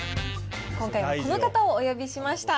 今回もこの方をお呼びしました。